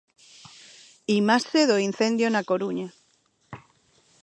Imaxe do incendio na Coruña.